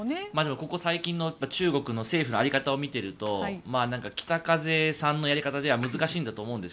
ここ最近の中国政府の在り方を見ていると北風さんのやり方では難しいんだと思うんです。